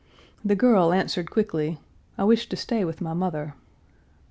The girl answered quickly, 'I Page 360 wish to stay with my mother.'